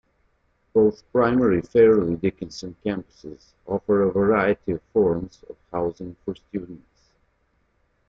Both primary Fairleigh Dickinson campuses offer a variety of forms of housing for students.